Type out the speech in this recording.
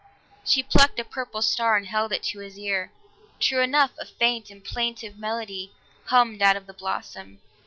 she plucked a purple star and held it to his ear; true enough, a faint and plaintive melody hummed out of the blossom.